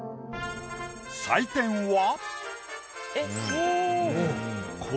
採点は。